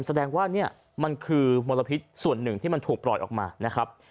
แสดงว่ามันคือมลพิษส่วนหนึ่งที่ถูกปล่อยออกมา